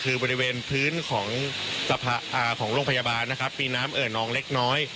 คือบริเวณพื้นของโรงพยาบาลนะครับมีน้ำเอ่อน้องเล็กน้อย